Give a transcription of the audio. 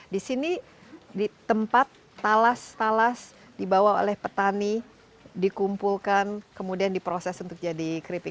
di sini di tempat talas talas dibawa oleh petani dikumpulkan kemudian diproses untuk jadi keripik